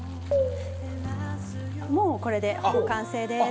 もうこれでほぼ完成です！